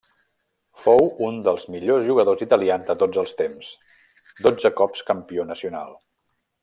Fou un dels millors jugadors italians de tots els temps, dotze cops campió nacional.